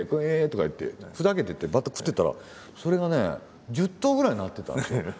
「へえ」とか言ってふざけててまた食ってたらそれがね１０頭ぐらいになってた。